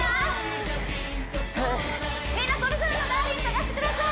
みんなそれぞれのダーリン探してください